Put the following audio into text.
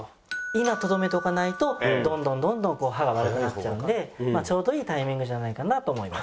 今とどめておかないとどんどんどんどん歯が悪くなっちゃうんでちょうどいいタイミングじゃないかなと思います。